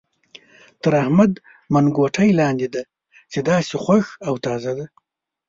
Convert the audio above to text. تر احمد منګوټی لاندې دی چې داسې خوښ او تازه دی.